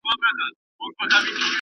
ټولنپوهنه د ګډ رفتار د کشف علم دی.